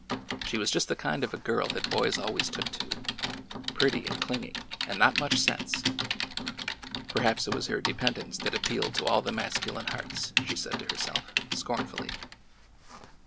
She was just the kind of a girl that boys always took to — pretty and clinging, and not much sense ! Perhaps it was her dependence that appealed to all the masculine hearts, she said to herself, scornfully.